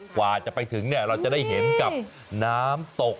กว่าจะไปถึงเราจะได้เห็นกับน้ำตก